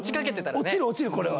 落ちる落ちるこれは。